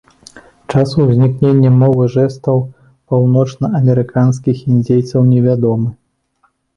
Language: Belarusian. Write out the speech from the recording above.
Час узнікнення мовы жэстаў паўночнаамерыканскіх індзейцаў невядомы.